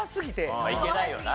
まあいけないよな。